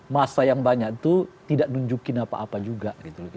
masa yang banyak itu tidak nunjukin apa apa juga